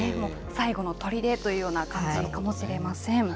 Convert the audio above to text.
最後のとりでというような感じかもしれません。